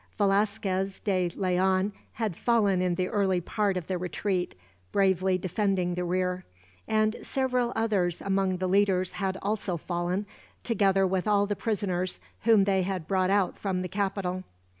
Velasquez de Leon had fallen in the early part of the retreat, bravely defending the rear; and several others among the leaders had also fallen, together with all the prisoners whom they had brought out from the capital.